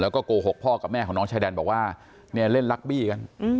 แล้วก็โกหกพ่อกับแม่ของน้องชายแดนบอกว่าเนี่ยเล่นลักบี้กัน